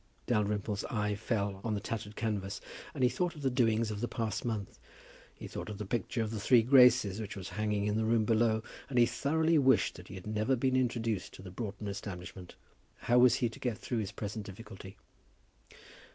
Dalrymple's eye fell on the tattered canvas, and he thought of the doings of the past month. He thought of the picture of three Graces, which was hanging in the room below, and he thoroughly wished that he had never been introduced to the Broughton establishment. How was he to get through his present difficulty?